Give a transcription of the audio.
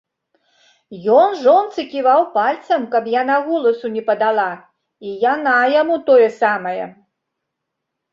Ён жонцы ківаў пальцам, каб яна голасу не падала, і яна яму тое самае.